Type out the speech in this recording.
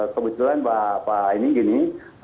kebetulan pak aini gini